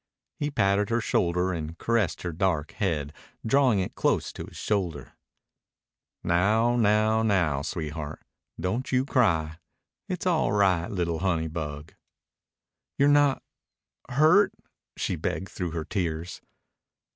He patted her shoulder and caressed her dark head drawing it close to his shoulder. "Now now now sweetheart, don't you cry. It's all right, li'l' honey bug." "You're not ... hurt," she begged through her tears.